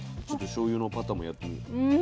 ちょっとしょうゆのパターンもやってみよう。